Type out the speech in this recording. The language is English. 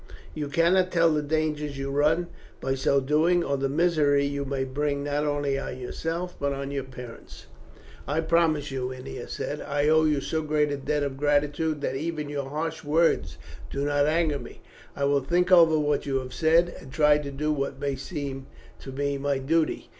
You cannot tell the dangers you run by so doing, or the misery you may bring, not only on yourself, but on your parents." "I promise you," Ennia said. "I owe you so great a debt of gratitude that even your harsh words do not anger me. I will think over what you have said, and try to do what may seem to me my duty."